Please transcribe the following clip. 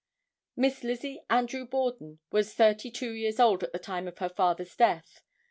] Miss Lizzie Andrew Borden was thirty two years old at the time of her father's death.